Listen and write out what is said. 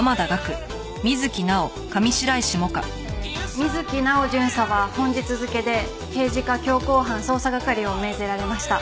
水木直央巡査は本日付で刑事課強行犯捜査係を命ぜられました。